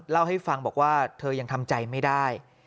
เล่าให้ฟังบอกว่าเธอยังทำใจไม่ได้